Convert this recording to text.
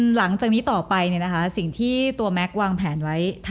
หลังจากนี้ต่อไปสิ่งที่ตัวแม็กซ์วางแผนไว้